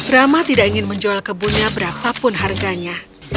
rama tidak ingin menjual kebunnya berapapun harganya